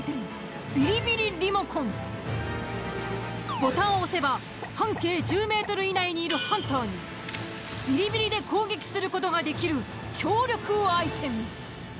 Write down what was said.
ボタンを押せば半径１０ｍ以内にいるハンターにビリビリで攻撃する事ができる強力アイテム。